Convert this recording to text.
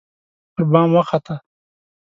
پربام وخته